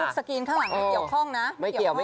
รูปสกรีนข้างหลังมันเกี่ยวข้องนะ